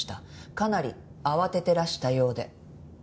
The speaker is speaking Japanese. かなり慌ててらしたようで。